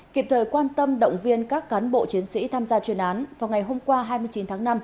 kịp thời quan tâm động viên các cán bộ chiến sĩ tham gia chuyên án vào ngày hôm qua hai mươi chín tháng năm